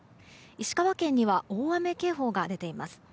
石川県には大雨警報が出ています。